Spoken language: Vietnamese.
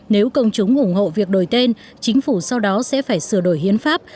nếu công chúng ủng hộ việc đổi tên chính phủ sau đó sẽ phải sửa đổi hiến pháp